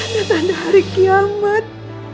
tanda tanda hari kiamat